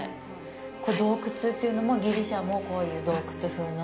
これ、洞窟というのも、ギリシャもこういう洞窟風の？